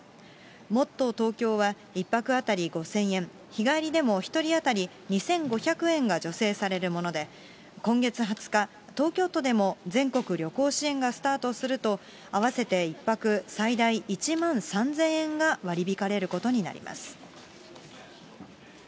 もっとＴｏｋｙｏは１泊当たり５０００円、日帰りでも１人当たり２５００円が助成されるもので、今月２０日、東京都でも全国旅行支援がスタートすると、合わせて１泊最大１万３０００円が割り引かれることになります。